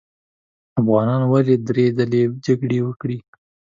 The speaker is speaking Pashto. افغانانو ولې درې ځلې جګړې وکړې.